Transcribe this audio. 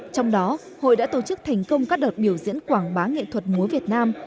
trong đó hội đã tổ chức thành công các đợt biểu diễn quảng bá nghệ thuật múa việt nam